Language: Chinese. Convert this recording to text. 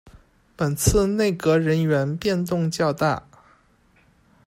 本次内阁人员变动较大。